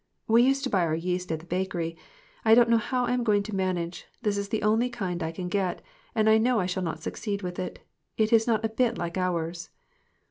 We used to buy our yeast at the bakery. I don't know how I am going to man age ; this is the only kind I can get, and I know I shall not succeed with it. It is not a bit like ours."